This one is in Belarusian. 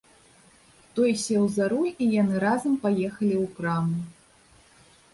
Той сеў за руль, і яны разам паехалі ў краму.